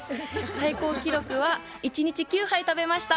最高記録は一日９杯食べました。